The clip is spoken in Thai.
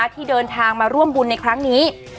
ที่เดินทางมาร่วมบุญในครั้งนี้